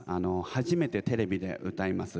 初めてテレビで歌います。